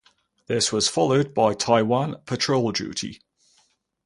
This was followed by Taiwan patrol duty.